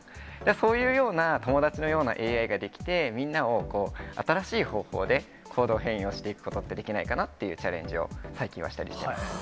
そういうような、友達のようなＡＩが出来て、みんなを新しい方法で行動変容をしていくことってできないかなっていうチャレンジを最近はしたりしてます。